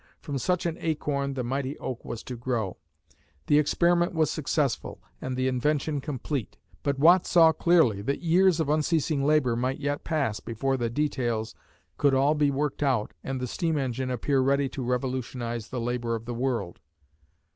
From such an acorn the mighty oak was to grow. The experiment was successful and the invention complete, but Watt saw clearly that years of unceasing labor might yet pass before the details could all be worked out and the steam engine appear ready to revolutionise the labor of the world.